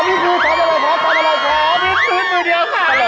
อาจารย์